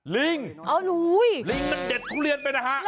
ลิงลิงมันเด็ดทุเรียนไปนะฮะ